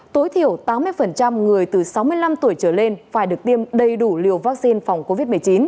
tối thiểu tám mươi người từ sáu mươi năm tuổi trở lên phải được tiêm đầy đủ liều vaccine phòng covid một mươi chín